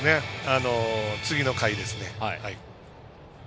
次の回ですね。